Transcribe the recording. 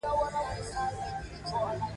د ملي شعور ودې ته پر وخت اقدامات وکړي.